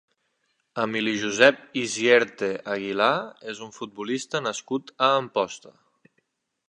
Emili Josep Isierte Aguilar és un futbolista nascut a Amposta.